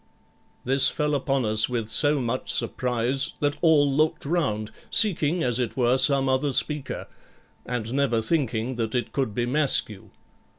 This fell upon us with so much surprise, that all looked round, seeking as it were some other speaker, and never thinking that it could be Maskew.